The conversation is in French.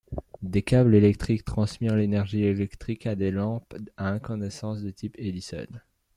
Des câbles électriques transmirent l'énergie électrique à des lampes à incandescence de type Edison.